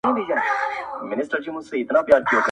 د پردي کلي د غلۀ کانه ور وسوه ,